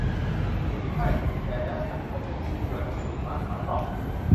'ใช่ แต่แล้วฉันก็มาช่วยชีวิตเธอ !' อัศวินม้าขาวตอบ